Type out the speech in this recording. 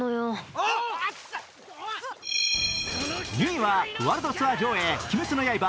２位は「ワールドツアー上映「鬼滅の刃」